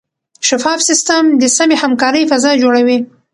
شفاف سیستم د سمې همکارۍ فضا جوړوي.